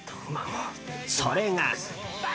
それが。